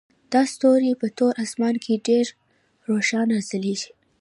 دا ستوري په تور اسمان کې ډیر روښانه ځلیږي